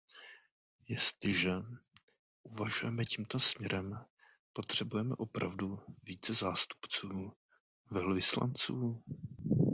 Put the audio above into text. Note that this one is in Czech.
Jestliže uvažujeme tímto směrem, potřebujeme opravdu více zástupců velvyslanců?